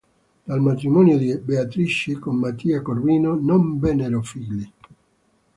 Dal matrimonio di Beatrice con Mattia Corvino non vennero figli.